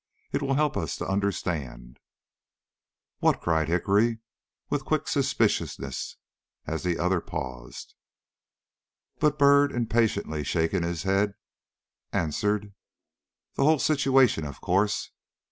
It will help us to understand " "What?" cried Hickory, with quick suspiciousness, as the other paused. But Byrd, impatiently shaking his head, answered: "The whole situation, of course."